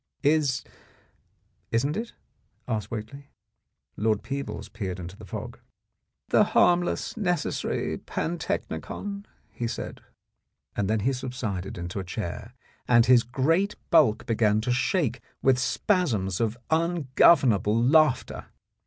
" Is— isn't it ?" asked Whately. Lord Peebles peered into the fog. "The harmless, necessary pantechnicon," he said. Then he subsided into a chair and his great bulk began to shake with spasms of ungovernable laughter.